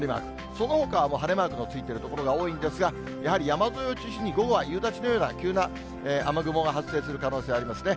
そのほかは晴れマークのついている所が多いんですが、やはり山沿いを中心に、午後は夕立のような急な雨雲が発生する可能性がありますね。